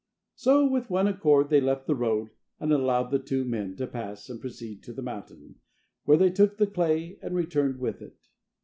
So with one accord they left the road, and allowed the two men to pass and proceed to the mountain, where they took the clay and returned with it.